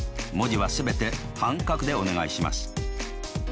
文字は全て半角でお願いします。